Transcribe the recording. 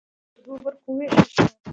جرګه پر دوو برخو ووېشل شوه.